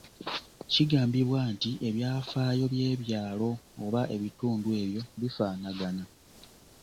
Kigambibwa nti ebyafaayo by’ebyalo oba ebitundu ebyo bifaanagana.